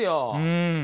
うん！